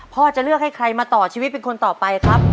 พ่อจะเลือกให้ใครมาต่อชีวิตเป็นคนต่อไปครับ